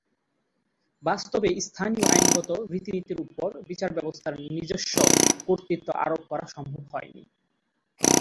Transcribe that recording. বাস্তবে স্থানীয় আইনগত রীতিনীতির ওপর বিচারব্যবস্থার নিজস্ব কর্তৃত্ব আরোপ করা সম্ভব হয় নি।